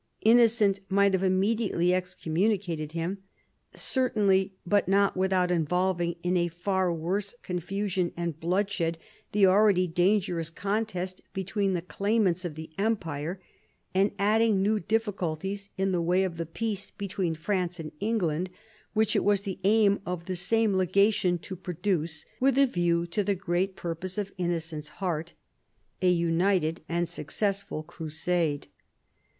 Innocent might have immediately excommunicated him. Certainly, but not without involving in a far worse confusion and bloodshed the already dangerous contest between the claimants of the empire, and adding new difficulties in the way of the peace between France and England, which it was the aim of the same legation to produce with a view to the great purpose of Innocent's heart, — a united and successful crusade.